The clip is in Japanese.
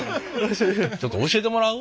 ちょっと教えてもらう？